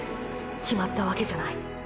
決まったわけじゃない。